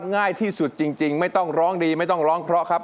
ง่ายที่สุดจริงไม่ต้องร้องดีไม่ต้องร้องเพราะครับ